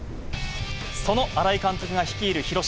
その新井監督が率いる広島。